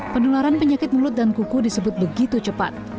penularan penyakit mulut dan kuku disebut begitu cepat